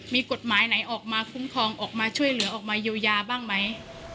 มีกฎหมายไหนออกมาคุ้มครองออกมาช่วยเหลือออกมาเยียวยาบ้างไหม